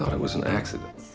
saya pikir itu adalah kesalahan